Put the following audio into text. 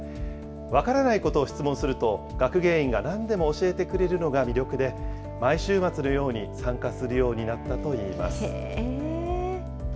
分からないことを質問すると、学芸員がなんでも教えてくれるのが魅力で、毎週末のように、参加するようになったといいます。